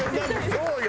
そうよ。